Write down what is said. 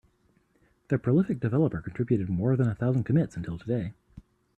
The prolific developer contributed more than a thousand commits until today.